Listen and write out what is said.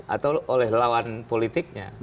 atau oleh lawan politiknya